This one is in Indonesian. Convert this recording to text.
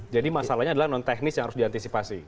jadi masalahnya adalah non teknis yang harus diantisipasi